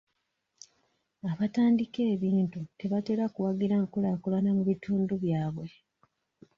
Abatandika ebintu tebatera kuwagira nkulaakulana mu bitundu byabwe.